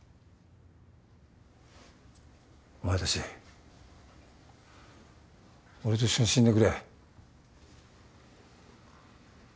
お前たち俺と一緒に死んでくれ。